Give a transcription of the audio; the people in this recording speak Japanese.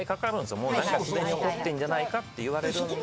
すでに起こってんじゃないかと言われるんで。